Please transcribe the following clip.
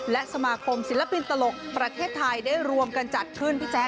และสมาคมศิลปินตลกประเทศไทยได้รวมกันจัดขึ้นพี่แจ๊